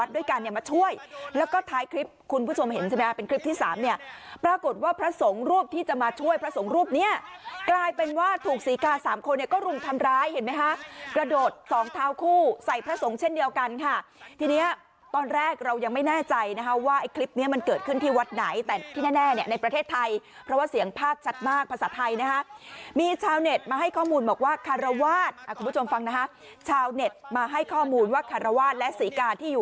โดดสองเท้าคู่ใส่พระสงฆ์เช่นเดียวกันค่ะทีเนี้ยตอนแรกเรายังไม่แน่ใจนะฮะว่าไอ้คลิปเนี้ยมันเกิดขึ้นที่วัดไหนแต่ที่แน่แน่เนี่ยในประเทศไทยเพราะว่าเสียงภาคชัดมากภาษาไทยนะฮะมีชาวเน็ตมาให้ข้อมูลบอกว่าคารวาสอ่ะคุณผู้ชมฟังนะฮะชาวเน็ตมาให้ข้อมูลว่าคาร